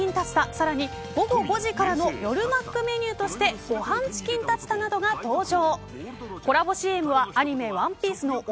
さらに、午後５時からの夜マックメニューとしてごはんチキンタツタなどが登場。